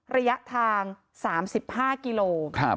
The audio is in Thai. ระยะทาง๓๕กิโล